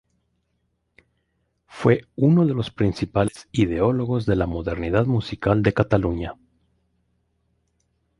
Fue uno de los principales ideólogos de la modernidad musical de Cataluña.